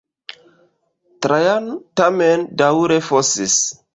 Trajan tamen daŭre fosis.